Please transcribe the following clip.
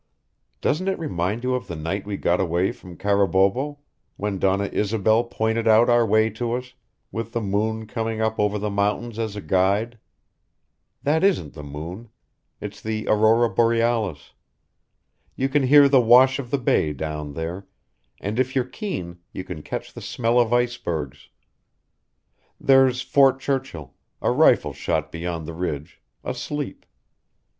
Doesn't it remind you of the night we got away from Carabobo, when Donna Isobel pointed out our way to us, with the moon coming up over the mountains as a guide? That isn't the moon. It's the aurora borealis. You can hear the wash of the Bay down there, and if you're keen you can catch the smell of icebergs. There's Fort Churchill a rifle shot beyond the ridge, asleep.